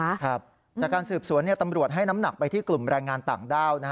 จากการสืบสวนตำรวจให้น้ำหนักไปที่กลุ่มแรงงานต่างด้าวนะฮะ